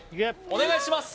お願いします